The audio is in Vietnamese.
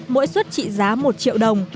mỗi suất trị giá một triệu đồng